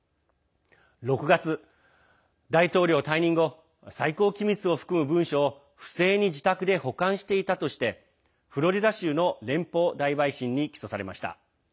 ６月、大統領を退任後最高機密を含む文書を不正に自宅で保管していたとしてフロリダ州の連邦大陪審に起訴されました。